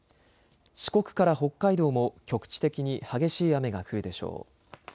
四国から北海道も局地的に激しい雨が降るでしょう。